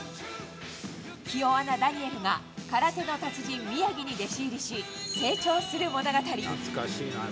気弱なダニエルが、空手の達人、宮城に弟子入りし、成長する物語。